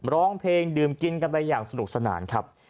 ร้องเพลงดื่มกินกันไปอย่างสนุกสนานครับ